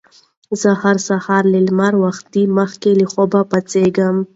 زه هر سهار له لمر ختو مخکې له خوبه پاڅېږم